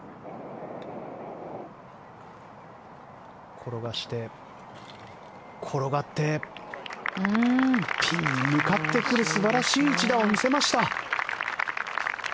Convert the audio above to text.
転がして、転がってピンに向かってくる素晴らしい一打を見せました。